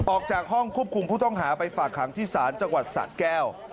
ออกจากห้องควบคุมผู้ต้องหาไปฝากขังที่ศาลจังหวัดสะแก้ว